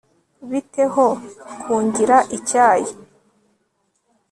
bite ho kungira icyayi